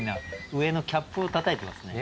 上のキャップをたたいてますね。